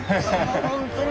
本当に。